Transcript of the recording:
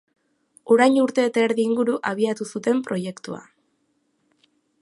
Orain urte eta erdi inguru abiatu zuten proiektua.